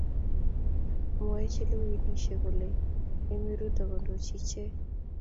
Mwoe chelewenishei kole emei Ruto kondoichi ichek